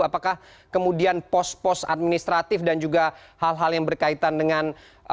apakah kemudian pos pos administratif dan juga hal hal yang berkaitan dengan